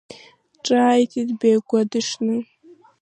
Ҿааиҭит Бегәа дышны.